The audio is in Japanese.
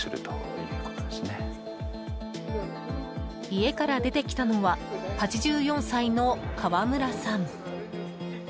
家から出てきたのは８４歳の川村さん。